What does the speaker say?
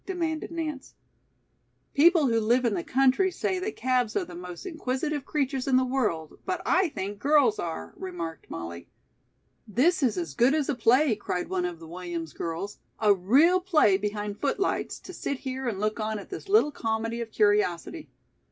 demanded Nance. "People who live in the country say that calves are the most inquisitive creatures in the world, but I think girls are," remarked Molly. "This is as good as a play," cried one of the Williams girls, "a real play behind footlights, to sit here and look on at this little comedy of curiosity.